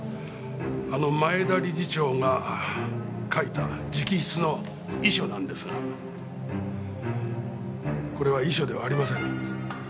あの前田理事長が書いた直筆の遺書なんですがこれは遺書ではありません。